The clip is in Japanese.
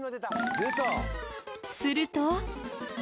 すると。